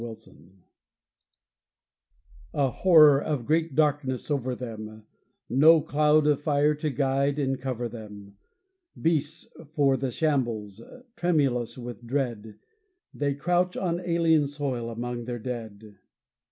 Odessa A horror of great darkness over them, No cloud of fire to guide and cover them, Beasts for the shambles, tremulous with dread, They crouch on alien soil among their dead.